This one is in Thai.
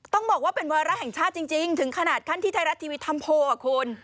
ต้องบอกว่าเป็นวาระแห่งชาติจริงถึงขนาดขั้นที่ไทยรัฐทีวีทำโพลอ่ะคุณ